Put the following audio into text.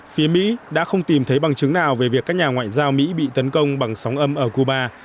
phía mỹ đã không tìm thấy bằng chứng nào về việc các nhà ngoại giao mỹ bị tấn công bằng sóng âm ở cuba